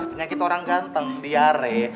penyakit orang ganteng diare